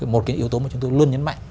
một yếu tố mà chúng tôi luôn nhấn mạnh